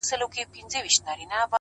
• لوی افسر ته یې په سرو سترګو ژړله ,